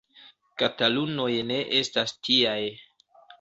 Katalunoj ne estas tiaj.